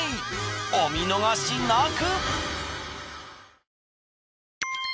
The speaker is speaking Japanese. お見逃しなく！